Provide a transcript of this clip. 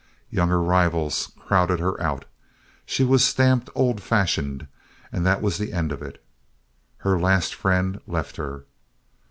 Younger rivals crowded her out. She was stamped "old fashioned," and that was the end of it. Her last friend left her.